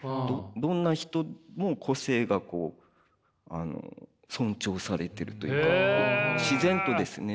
どんな人も個性が尊重されてるというか自然とですね。